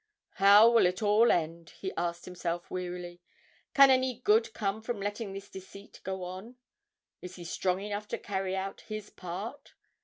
'How will it all end?' he asked himself wearily. 'Can any good come from letting this deceit go on? Is he strong enough to carry out his part?